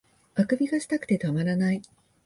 欠伸がしたくてたまらない